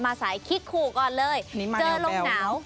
สายคิดขู่ก่อนเลยเจอลมหนาว